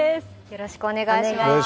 よろしくお願いします。